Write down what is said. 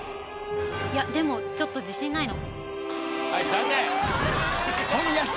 いや、でもちょっと自信ないな。